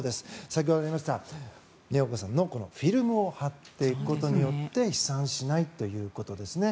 先ほどありました、京さんのフィルムを貼っておくことで飛散しないということですね。